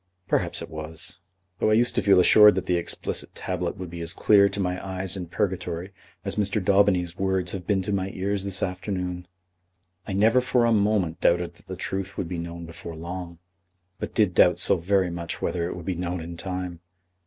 "Perhaps it was; though I used to feel assured that the explicit tablet would be as clear to my eyes in purgatory as Mr. Daubeny's words have been to my ears this afternoon. I never for a moment doubted that the truth would be known before long, but did doubt so very much whether it would be known in time.